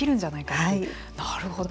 なるほど。